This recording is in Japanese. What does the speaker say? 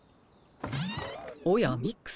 おやミックさん。